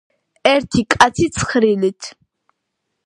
ერთი კაცი ცხრილით